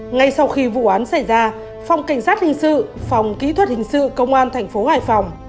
ngay sau khi vụ án xảy ra phòng cảnh sát hình sự phòng kỹ thuật hình sự công an thành phố hải phòng